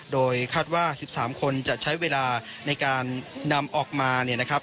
โดยคาดว่า๑๓คนจะใช้เวลาในการนำออกมา